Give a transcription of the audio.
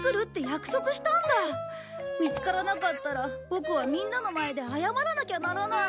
見つからなかったらボクはみんなの前で謝らなきゃならない。